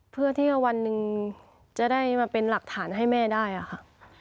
เพื่อที่ว่าวันหนึ่งจะได้มาเป็นหลักฐานให้แม่ได้ค่ะ